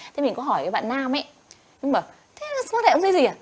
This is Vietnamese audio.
thế mình có hỏi cái bạn nam ấy mình bảo thế quan hệ không thấy gì à